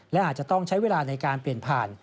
และอาจจะต้องใช้เวลาในการเปลี่ยนผ่าน